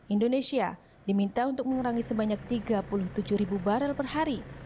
indonesia diminta untuk mengurangi sebanyak tiga puluh tujuh ribu barrel per hari